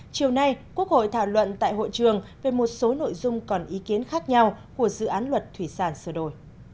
chiều nay quốc hội thảo luận tại hội trường về một số nội dung còn ý kiến khác nhau của dự án luật thủy sản sửa đổi